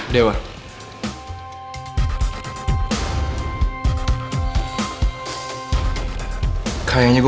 dewa temen aku